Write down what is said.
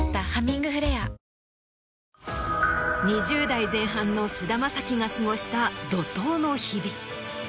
２０代前半の菅田将暉が過ごした怒涛の日々。